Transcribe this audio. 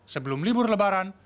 sebelum libur lebaran